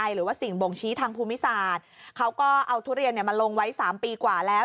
หรือว่าสิ่งบ่งชี้ทางภูมิศาสตร์เขาก็เอาทุเรียนมาลงไว้๓ปีกว่าแล้ว